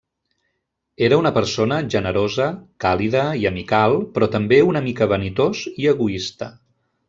Era una persona generosa, càlida i amical, però també una mica vanitós i egoista.